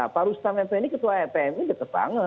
pak rustam mp ini ketua pmi dekat banget